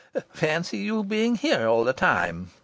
"Fancy your being here all the time!"